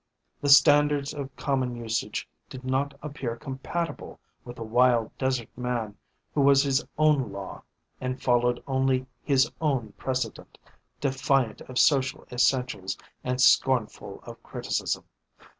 The standards of common usage did not appear compatible with the wild desert man who was his own law and followed only his own precedent, defiant of social essentials and scornful of criticism.